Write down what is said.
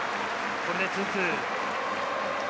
これで２−２。